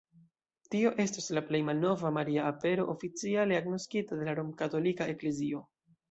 Tio estas la plej malnova Maria Apero oficiale agnoskita de la Romkatolika Eklezio.